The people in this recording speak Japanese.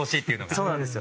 そうなんですよ。